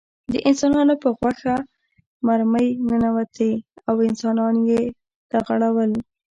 د انسانانو په غوښه مرمۍ ننوتې او انسانان یې لغړول